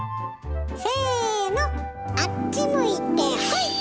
せのあっち向いてホイ！